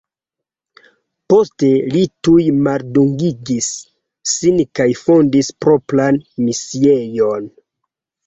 Poste li tuj maldungigis sin kaj fondis propran misiejon.